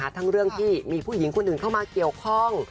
ทั้งเรื่องที่มีผู้หญิงคนอื่นเข้ามาเกี่ยวข้อง